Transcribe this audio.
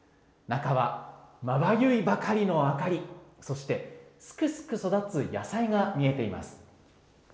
中はまばゆいばかりの明かり、そして、すくすく育つ野菜が見えています。